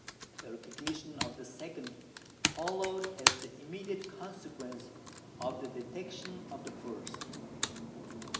The recognition of the second followed as the immediate consequence of the detection of the first.